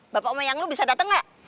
bapak moyang lu bisa dateng gak